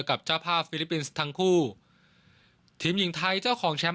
กับเจ้าภาพฟิลิปปินส์ทั้งคู่ทีมหญิงไทยเจ้าของแชมป